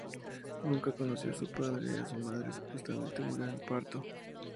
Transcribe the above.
Nunca conoció a su padre y su madre, supuestamente, murió en el parto.